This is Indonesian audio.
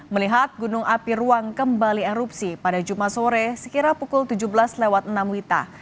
melihat gunung api ruang kembali erupsi pada jumat sore sekira pukul tujuh belas lewat enam wita